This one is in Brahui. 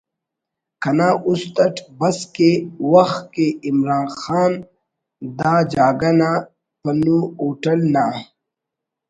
کنا اُست اٹ بس کہ وَخ کہ عمران خان دا جاگہ نا ”پنو ہوٹل“ نا